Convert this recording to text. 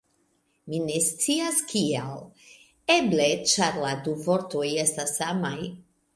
Mi ne scias kial. Eble ĉar la du vortoj estas samaj!